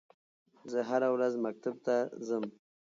زه هره ورځ مکتب ته ځم